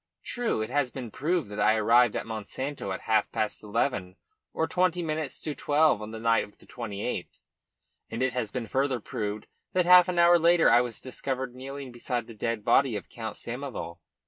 True, it has been proved that I arrived at Monsanto at half past eleven or twenty minutes to twelve on the night of the 28th, and it has been further proved that half an hour later I was discovered kneeling beside the dead body of Count Samoval.